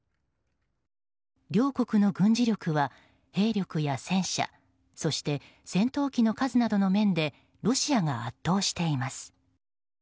両国の軍事力は兵力や戦車そして、戦闘機の数などの面でロシアが圧倒しています。